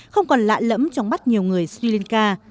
không còn lạ lẫm trong bắt nhiều người sri lanka